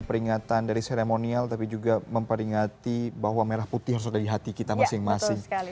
peringatan dari seremonial tapi juga memperingati bahwa merah putih harus ada di hati kita masing masing